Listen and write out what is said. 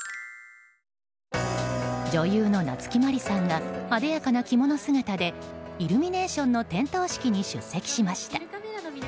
女優の夏木マリさんがあでやかな着物姿でイルミネーションの点灯式に出席しました。